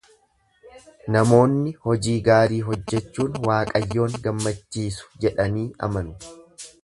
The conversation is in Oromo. Namoonni hojii gaarii hojjechuun Waaqayyoon gammachiisu jedhanii amanu.